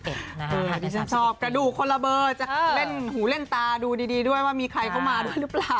เดี๋ยวฉันชอบกระดูกคนละเบอร์จะเล่นหูเล่นตาดูดีด้วยว่ามีใครเข้ามาด้วยหรือเปล่า